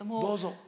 どうぞ。